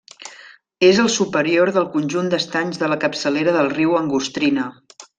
És el superior del conjunt d'estanys de la capçalera del riu d'Angostrina.